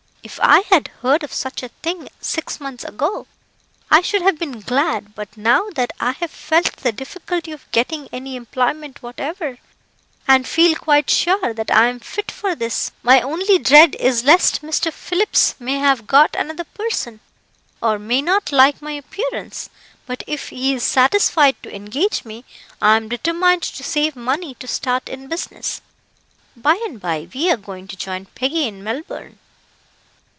If I had heard of such a thing six months ago, I should have been glad, but now that I have felt the difficulty of getting any employment whatever, and feel quite sure that I am fit for this, my only dread is lest Mr. Phillips may have got another person, or may not like my appearance; but if he is satisfied to engage me I am determined to save money to start in business. By and by we are going to join Peggy in Melbourne."